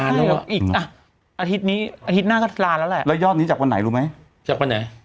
เหลืออีกอ่ะอาทิตย์นี้อาทิตย์หน้าก็ลานแล้วแหละแล้วยอดนี้จากวันไหนรู้ไหมจากวันไหน